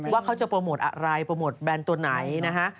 ว่าเขาจะโปรโมทอะไรโปรโมทแบนตัวไหนนะฮะ